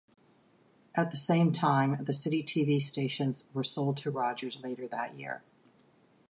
At the same time, the Citytv stations were sold to Rogers later that year.